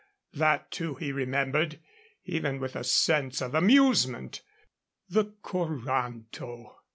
That, too, he remembered, even with a sense of amusement. The coranto!